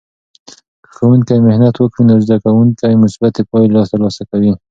که ښوونکی محنت وکړي، نو زده کوونکې مثبتې پایلې ترلاسه کوي.